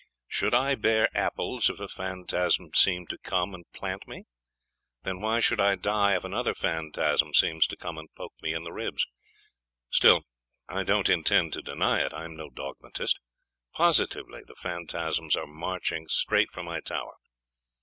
Should I bear apples if a phantasm seemed to come and plant me? Then why should I die if another phantasm seemed to come and poke me in the ribs? 'Still I don't intend to deny it.... I am no dogmatist. Positively the phantasms are marching straight for my tower!